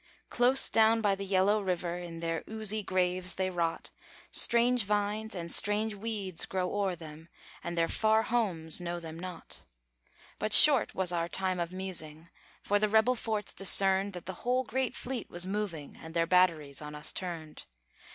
Close down by the yellow river In their oozy graves they rot; Strange vines and strange weeds grow o'er them, And their far homes know them not. But short was our time of musing; For the rebel forts discerned That the whole great fleet was moving, And their batteries on us turned.